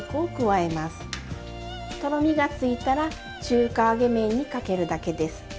とろみがついたら中華揚げ麺にかけるだけです。